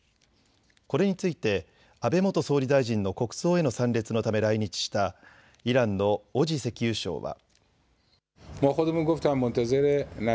これについて安倍元総理大臣の国葬への参列のため来日したイランのオジ石油相は。